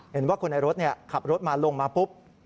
เห็นว่าคนในรถขับรถมาลงมาปุ๊บ